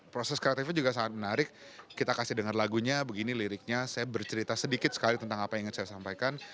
proses kreatifnya juga sangat menarik kita kasih dengar lagunya begini liriknya saya bercerita sedikit sekali tentang apa yang ingin saya sampaikan